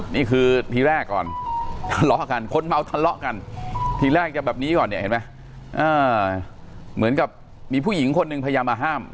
นี่คือทีแรกก่อนทะเลาะกันคนเมาทะเลาะกันทีแรกจะแบบนี้ก่อนเนี่ยเห็นไหมเหมือนกับมีผู้หญิงคนหนึ่งพยายามมาห้าม